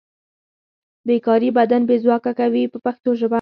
بې کاري بدن بې ځواکه کوي په پښتو ژبه.